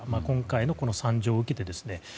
今回の惨状を受けてですね。